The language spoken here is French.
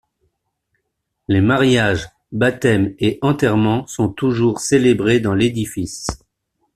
Les mariages, baptêmes et enterrements sont toujours célébrés dans l'édifice.